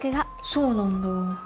「そうなんだ。